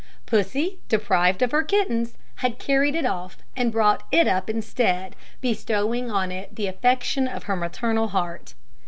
Pussy, deprived of her kittens, had carried it off and brought it up instead, bestowing on it the affection of her maternal heart.